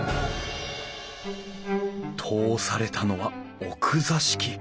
通されたのは奥座敷。